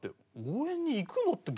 応援に行くの？って